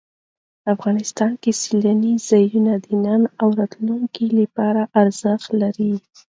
افغانستان کې سیلانی ځایونه د نن او راتلونکي لپاره ارزښت لري.